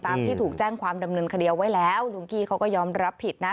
ที่ถูกแจ้งความดำเนินคดีเอาไว้แล้วลุงกี้เขาก็ยอมรับผิดนะ